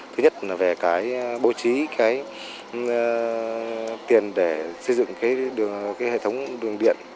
thứ nhất là về bố trí tiền để xây dựng hệ thống đường điện